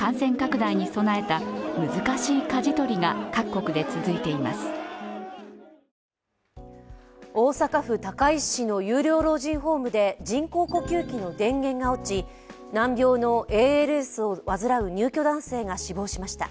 大阪府高石市の有料老人ホームで人工呼吸器の電源が落ち難病のＡＬＳを患う入居男性が死亡しました。